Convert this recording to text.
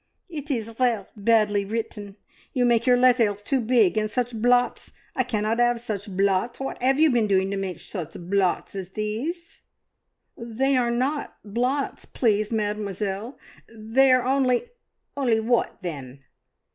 "It is ver' badly written. You make your letters too big; and such blots! I cannot 'ave such blots. What 'ave you been doing to make such blots as these?" "They are not blots, please, Mademoiselle; they are only " "Only what then?"